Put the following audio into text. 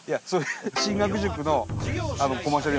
進学塾のコマーシャル。